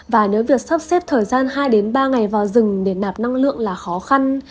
và nếu việc sắp xếp thời gian hai ba ngày vào rừng để nạp năng lượng là khó khăn